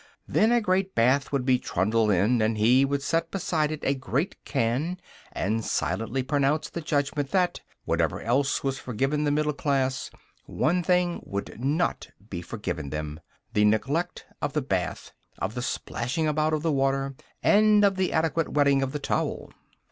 Then a great bath would be trundled in, and he would set beside it a great can, and silently pronounce the judgment that, whatever else was forgiven the middle class, one thing would not be forgiven them the neglect of the bath, of the splashing about of the water, and of the adequate wetting of the towel.